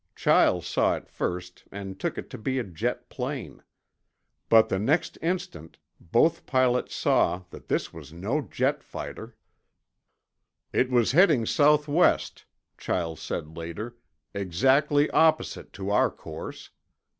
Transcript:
Chiles saw it first and took it to be a jet plane. But the next instant both pilots saw that this was no jet fighter. "It was heading southwest," Chiles said later, "exactly opposite to our course.